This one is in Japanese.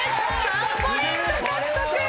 ３ポイント獲得。